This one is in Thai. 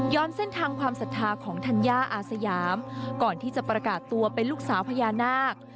เส้นทางความศรัทธาของธัญญาอาสยามก่อนที่จะประกาศตัวเป็นลูกสาวพญานาค